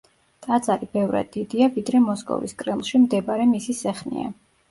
ტაძარი ბევრად დიდია ვიდრე მოსკოვის კრემლში მდებარე მისი სეხნია.